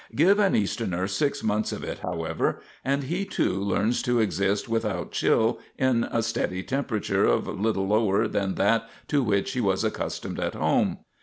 Give an Easterner six months of it, however, and he, too, learns to exist without chill in a steady temperature a little lower than that to which he was accustomed at home.